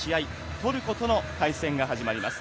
トルコとの対戦が始まります。